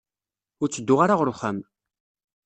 Ur ttedduɣ ara ɣer wexxam.